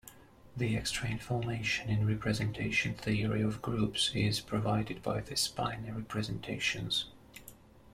The extra information in representation theory of groups is provided by the spinor representations.